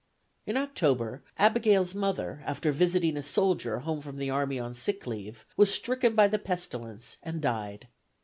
In October, Abigail's mother, after visiting a soldier home from the army on sick leave, was stricken by the pestilence and died.